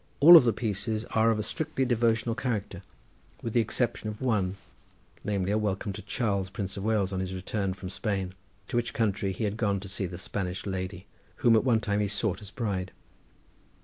All of the pieces are of a strictly devotional character, with the exception of one, namely a welcome to Charles, Prince of Wales, on his return from Spain, to which country he had gone to see the Spanish ladye whom at one time he sought as bride.